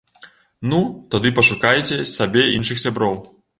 Ну, тады пашукайце сабе іншых сяброў!